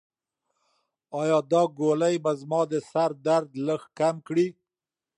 ایا دا ګولۍ به زما د سر درد لږ کم کړي؟